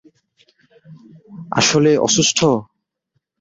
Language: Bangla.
-আসলে-- - অসুস্থ?